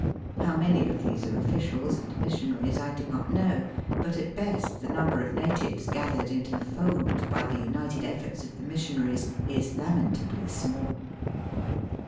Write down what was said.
How many of these are officials and missionaries I do not know, but at best the number of natives gathered into the fold by the united efforts of the missionaries is lamentably small.